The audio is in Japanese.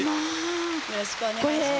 よろしくお願いします。